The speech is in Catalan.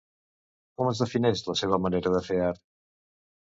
Com es defineix la seva manera de fer art?